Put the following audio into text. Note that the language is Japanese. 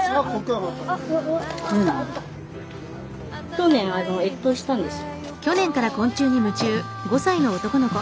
去年越冬したんです。